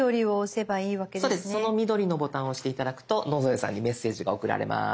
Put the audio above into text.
その緑のボタンを押して頂くと野添さんにメッセージが送られます。